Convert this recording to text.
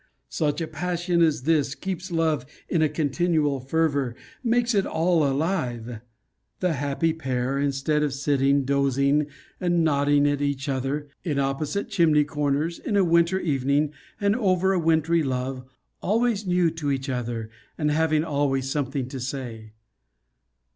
Such a passion as this keeps love in a continual fervour makes it all alive. The happy pair, instead of sitting dozing and nodding at each other, in opposite chimney corners, in a winter evening, and over a wintry love, always new to each other, and having always something to say.